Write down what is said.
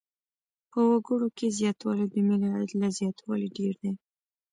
په وګړو کې زیاتوالی د ملي عاید له زیاتوالي ډېر دی.